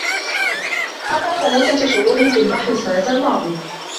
قضى ثلاثة شهور في البحر السنة الماضية.